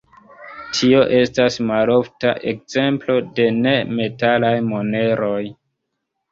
Tio estas malofta ekzemplo de ne-metalaj moneroj.